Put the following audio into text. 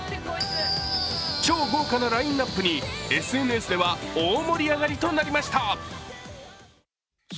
超豪華なラインナップにＳＮＳでは大盛り上がりとなりました。